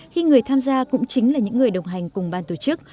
khi người tham gia cũng chính là những người đồng hành cùng ban tổ chức